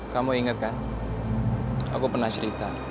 kamu ingat kan aku pernah cerita